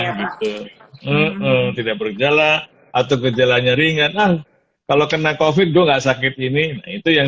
gila atau gejalanya ringan know kalau kena covid gue enggak sakit ini itu yang